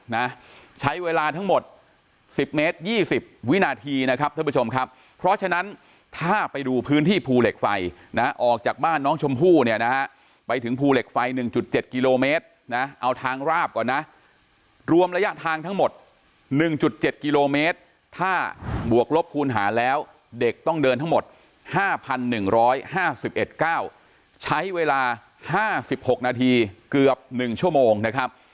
นะใช้เวลาทั้งหมดสิบเมตรยี่สิบวินาทีนะครับท่านผู้ชมครับเพราะฉะนั้นถ้าไปดูพื้นที่ภูเหล็กไฟนะออกจากบ้านน้องชมพู่เนี่ยนะฮะไปถึงภูเหล็กไฟ๑๗กิโลเมตรนะเอาทางราบก่อนนะรวมระยะทางทั้งหมด๑๗กิโลเมตรถ้าบวกลบคูณหาแล้วเด็กต้องเดินทั้งหมด๕๑๕๑๙ใช้เวลา๕๖นาทีเกือบ๑ชั่วโมงนะครับ